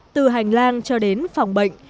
từ hành lang cho đến phòng bệnh